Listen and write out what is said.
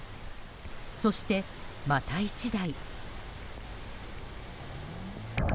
そして、また１台。